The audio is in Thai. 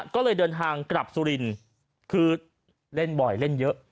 ก็เลยเดินทางกลับสุรินทร์คือเล่นบ่อยเล่นเยอะ